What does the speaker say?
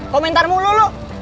komentar mulu lo